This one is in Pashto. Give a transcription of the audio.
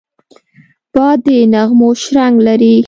باد د نغمو شرنګ لري